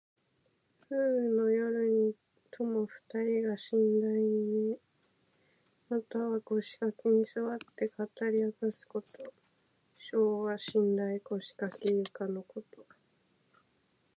風雨の夜に友二人が寝台に寝、またはこしかけにすわって語りあかすこと。「牀」は寝台・こしかけ・ゆかのこと。